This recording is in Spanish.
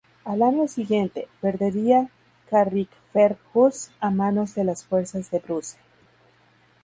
Al año siguiente, perdería Carrickfergus a manos de las fuerzas de Bruce.